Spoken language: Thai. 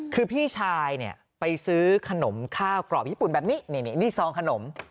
คือพี่ชายเนี่ยไปซื้อขนมข้าวกรอบญี่ปุ่นแบบนี้นี่ซองขนม